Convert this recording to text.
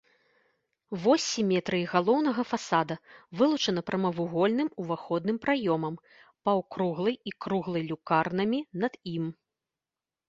Вось сіметрыі галоўнага фасада вылучана прамавугольным уваходным праёмам, паўкруглай і круглай люкарнамі над ім.